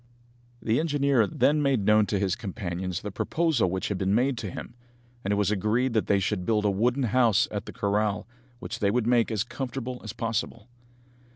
The engineer then made known to his companions the proposal which had been made to him, and it was agreed that they should build a wooden house at the corral, which they would make as comfortable as possible.